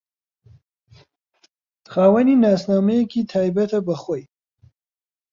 خاوەنی ناسنامەیەکی تایبەتە بە خۆی